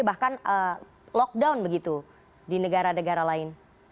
bahkan lockdown begitu di negara negara lain